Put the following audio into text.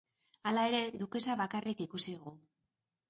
Hala ere, dukesa bakarrik ikusi dugu.